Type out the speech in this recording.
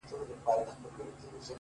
• په لسگونو انسانان یې وه وژلي,